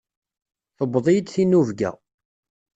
Tewweḍ-iyi-d tinubga.